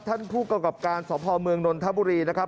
ท่านผู้กรกบการสมนทะบุรีนะครับ